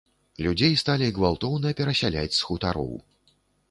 Людзей сталі гвалтоўна перасяляць з хутароў.